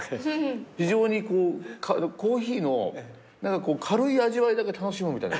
非常にコーヒーの軽い味わいだけ楽しむみたいな感じ。